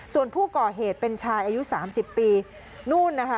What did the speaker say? ส่วนผู้ก่อเหตุเป็นชายอายุ๓๐ปีนู่นนะคะ